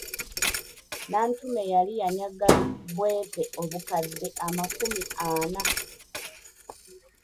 Nantume yali yanyaga Bwete obukadde amakumi ana.